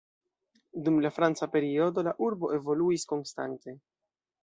Dum la franca periodo la urbo evoluis konstante.